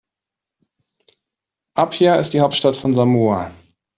Apia ist die Hauptstadt von Samoa.